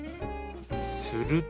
すると。